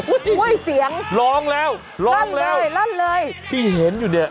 อุ๊ยล้องแล้วล้องแล้วรั่นเลยที่เห็นอยู่เนี่ย